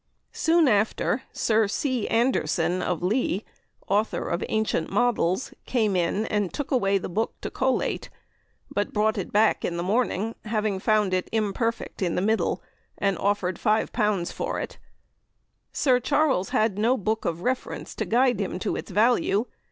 Soon after Sir C. Anderson, of Lea (author of Ancient Models), came in and took away the book to collate, but brought it back in the morning having found it imperfect in the middle, and offered L5 for it. Sir Charles had no book of reference to guide him to its value.